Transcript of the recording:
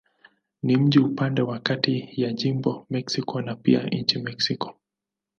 Ni mji upande wa kati ya jimbo Mexico na pia nchi Mexiko.